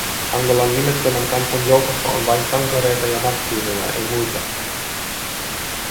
Angolan nimettömän kansan joukossa on vain sankareita ja marttyyreja, ei muita!